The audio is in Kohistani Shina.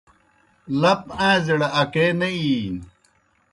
لپ آݩزیْڑ اکے نہ اِینیْ